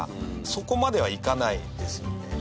そこまでは、いかないですよね。